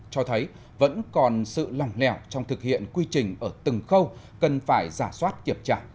cho thấy vẫn còn sự lòng lẻo trong thực hiện quy trình ở từng khâu cần phải giả soát kiểm tra